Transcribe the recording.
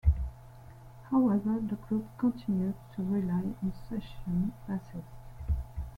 However, the group continued to rely on session bassists.